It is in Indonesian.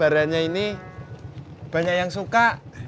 sekarang tahunnya ini banyak yang suka